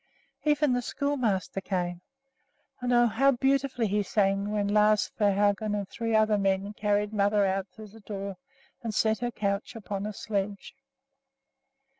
Even the schoolmaster came; and oh, how beautifully he sang when Lars Svehaugen and three other men carried mother out through the door and set her couch upon a sledge.